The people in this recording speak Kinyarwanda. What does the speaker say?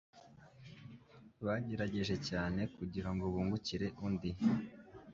Bagerageje cyane kugirango bungukire undi